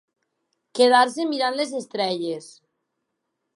Quedar-se mirant les estrelles.